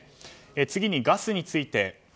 次に、ガスについて。